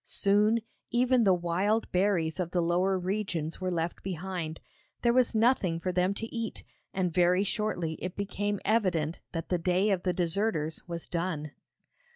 Soon, even the wild berries of the lower regions were left behind; there was nothing for them to eat, and very shortly it became evident that the day of the deserters was done.